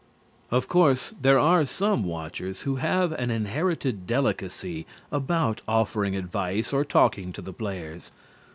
Of course, there are some watchers who have an inherited delicacy about offering advice or talking to the players.